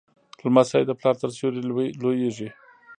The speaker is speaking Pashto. لمسی د پلار تر سیوري لویېږي.